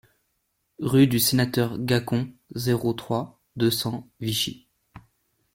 Rue du Sénateur Gacon, zéro trois, deux cents Vichy